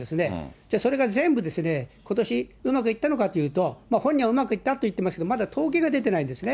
じゃあ、それが全部、ことし、うまくいったのかっていうと、本人はうまくいったと言ってますけど、まだ統計が出てないんですね。